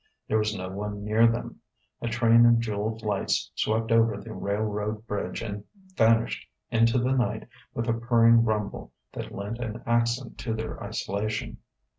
There was no one near them. A train of jewelled lights swept over the railroad bridge and vanished into the night with a purring rumble that lent an accent to their isolation.